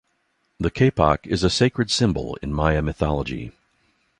The kapok is a sacred symbol in Maya mythology.